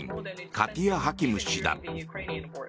カティア・ハキム氏だ。